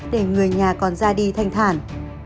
để người nhà còn ra đi thanh thản